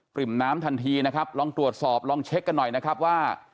ริ่มน้ำทันทีนะครับลองตรวจสอบลองเช็คกันหน่อยนะครับว่า